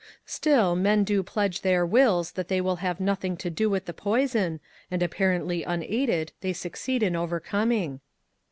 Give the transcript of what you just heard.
" Still, men do pledge their wills that they will have nothing to do with the poison, and, apparently unaided, they succeed in overcoming."